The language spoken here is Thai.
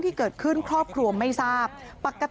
ปี๖๕วันเกิดปี๖๔ไปร่วมงานเช่นเดียวกัน